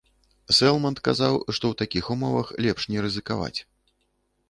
Сэлманд казаў, што ў такіх умовах лепш не рызыкаваць.